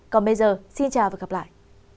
còn bây giờ xin chào và gặp lại